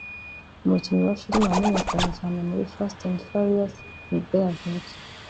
umukinnyi wa filime wamenyekanye cyane muri Fast& Furious nibwo yavutse